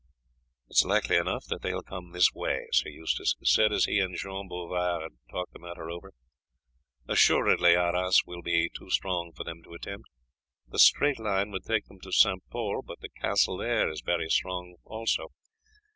"It is likely enough that they will come this way," Sir Eustace said as he and Jean Bouvard talked the matter over. "Assuredly Arras will be too strong for them to attempt. The straight line would take them to St. Pol, but the castle there is a very strong one also.